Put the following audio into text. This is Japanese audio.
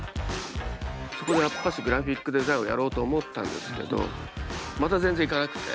そこでやっぱしグラフィックデザインをやろうと思ったんですけどまた全然行かなくて。